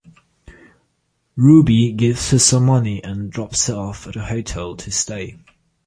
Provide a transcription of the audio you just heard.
Ruby gives her some money and drops her off at a hotel to stay.